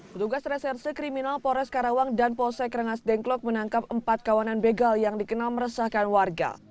petugas reserse kriminal pores karawang dan polsek rengas dengklok menangkap empat kawanan begal yang dikenal meresahkan warga